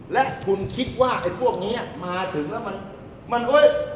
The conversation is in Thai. และคุณคิดว่าไอ้พวกนี้มาถึงแล้วมันเฮ้ย